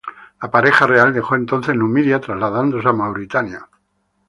La pareja real dejó entonces Numidia, trasladándose a Mauritania.